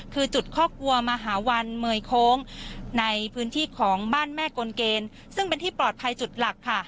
คือจุดข้อกลัวมหาวันเมยโค้งในพื้นที่ของบ้านแม่กลเกณฑ์ซึ่งเป็นที่ปลอดภัยจุดหลักค่ะ